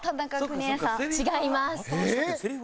違います。